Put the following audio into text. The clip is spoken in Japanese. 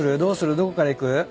どこからいく？